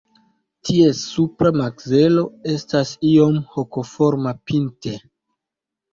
Ties supra makzelo estas iom hokoforma pinte.